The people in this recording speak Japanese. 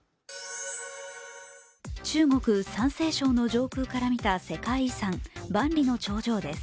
中国・山西省の上空から見た世界遺産・万里の長城です。